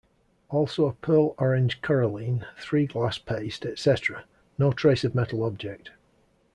Also a pearl orange coralline, three glass paste, etc.. No trace of metal object.